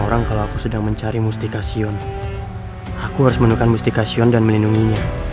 orang kalau aku sedang mencari mustika sion aku harus menemukan mustika sion dan melindunginya